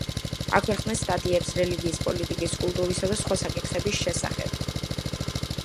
აქვეყნებს სტატიებს რელიგიის, პოლიტიკის, კულტურისა და სხვა საკითხების შესახებ.